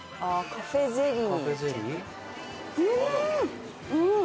カフェゼリー？